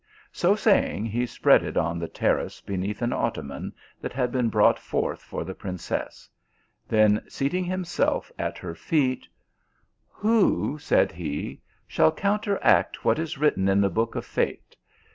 So saying, he spread it on the terrace beneath an ottoman that had been brought forth for the prin cess ; then seating himself at her feet, " Who," said he, " shall counteract what is writ ten in the book of fate?